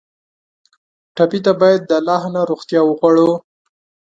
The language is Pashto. ټپي ته باید له الله نه روغتیا وغواړو.